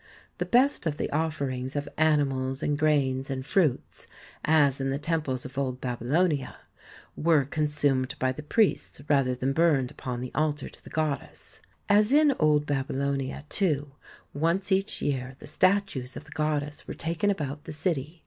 The best of the offerings of animals and grains and fruits, as in the temples of old Babylonia, were consumed by the priests rather than burned upon the altar to the goddess. As in old Babylonia, too, once each year the statues of the goddess were taken about the city.